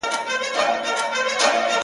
د مورنۍ ژبي ورځ دي ټولو پښتنو ته مبارک وي,